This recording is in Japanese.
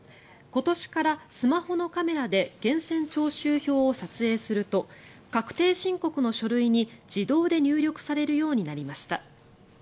今年からスマホのカメラで源泉徴収票を撮影すると確定申告の書類に自動で入力されるようになりました。